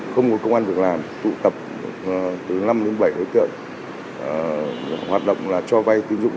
không có công an được làm tụ tập từ năm đến bảy đối tượng hoạt động cho vay tính dụng